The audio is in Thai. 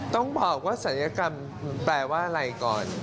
ต้องบอกว่าศัลยกรรมแปลว่าอะไรก่อน